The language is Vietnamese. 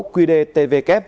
quy đề tvk